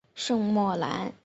圣莫兰。